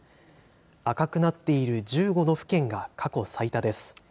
赤くなっている１５の府県が過去最多です。